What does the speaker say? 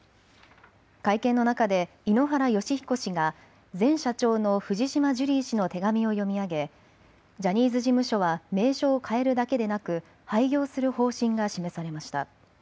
会見の中で井ノ原快彦氏が前社長の藤島ジュリー氏の手紙を読み上げジャニーズ事務所は名称を変えるだけでなく廃業する方針が示されました。